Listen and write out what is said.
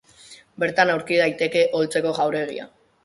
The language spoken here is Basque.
Bertan aurki daiteke Oltzeko jauregia.